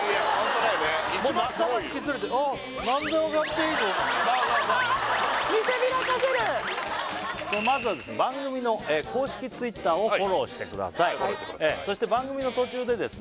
仲間引き連れてまずはですね番組の公式Ｔｗｉｔｔｅｒをフォローしてくださいそして番組の途中でですね